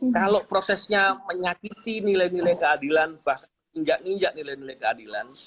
kalau prosesnya menyakiti nilai nilai keadilan bahkan menginjak ninjak nilai nilai keadilan